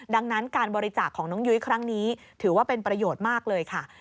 ดังนั้นการบริจาคของน้องยุ้ยครั้งนี้ถือว่าเป็นประโยชน์มากเลยค่ะ